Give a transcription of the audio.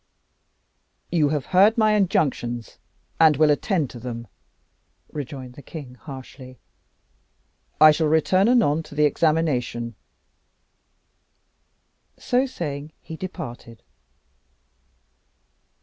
"You have heard my injunctions, and will attend to them," rejoined the king harshly. "I shall return anon to the examination." So saying, he departed.